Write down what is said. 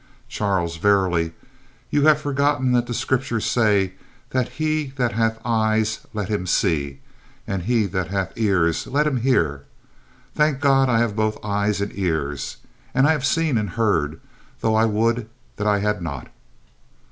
"Charles, verily, you have forgotten that the Scriptures say that he that hath eyes let him see, and he that hath ears let him hear. Thank God, I have both eyes and ears, and I have seen and heard, though I would that I had not."